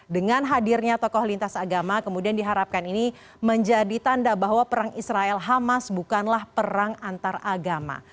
dengan hadirnya tokoh lintas agama kemudian diharapkan ini menjadi tanda bahwa perang israel hamas bukanlah perang antar agama